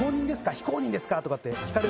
非公認ですか？とか。